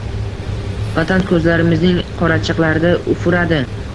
Vatan ko‘zlarimizning qorachiqlarida ufuradi.